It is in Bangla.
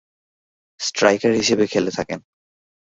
স্ট্রাইকার হিসেবে খেলে থাকেন।